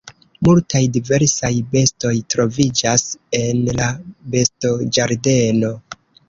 Multaj diversaj bestoj troviĝas en la bestoĝardeno.